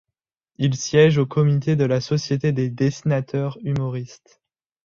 Il siège au comité de la Société des Dessinateurs humoristes.